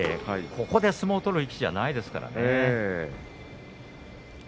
ここで相撲を取る力士じゃないですからね。